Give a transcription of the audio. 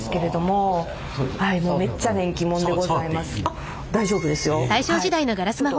あっ大丈夫ですよ。